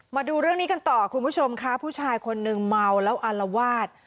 มาดูเรื่องนี้กันต่อคุณผู้ชมค่ะผู้ชายคนนึงเมาแล้วอารวาส